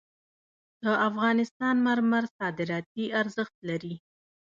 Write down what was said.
د افغانستان مرمر صادراتي ارزښت لري